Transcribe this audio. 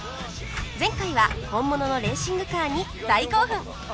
前回は本物のレーシングカーに大興奮！